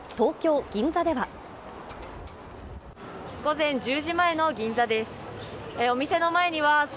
午前１０時前の銀座です。